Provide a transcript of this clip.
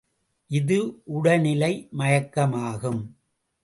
இது உடனிலை மயக்கமாகும்.